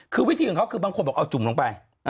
คือวิธีของเขาคือบางคนบอกเอาจุ่มลงไป